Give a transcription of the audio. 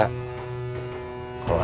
kalau aku sama kang komar gimana